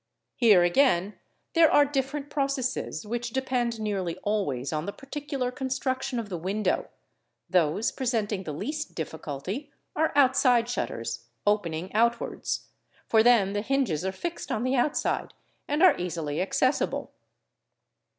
Here again there are different processes which depend nearly always on the particular construction of the window, those presenting the least difficulty are outside shutters, opening out wards, for then the hinges are fixed on the outside and are easily accessible.